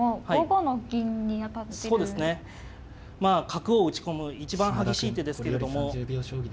角を打ち込む一番激しい手ですけれども。